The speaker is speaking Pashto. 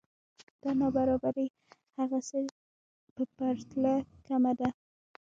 دا نابرابری هغه څه په پرتله کمه ده